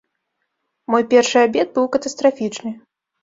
Мой першы абед быў катастрафічны!